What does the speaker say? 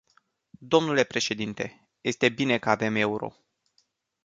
Dle președinte, este bine că avem euro.